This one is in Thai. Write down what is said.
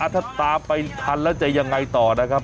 ถ้าตามไปทันแล้วจะยังไงต่อนะครับ